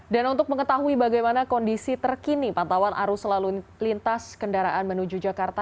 dan untuk mengetahui bagaimana kondisi terkini pantauan arus lalu lintas kendaraan menuju jakarta